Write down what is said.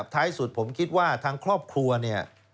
ท้ายสุดผมคิดว่าทางครอบครัวเนี่ย